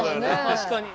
確かに。